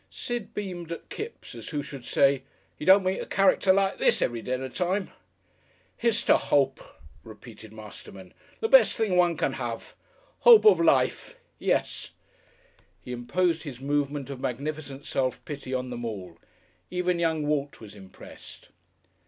Sid beamed at Kipps as who should say, "You don't meet a character like this every dinner time." "Here's to Hope," repeated Masterman. "The best thing one can have. Hope of life yes." He imposed his movement of magnificent self pity on them all. Even young Walt was impressed.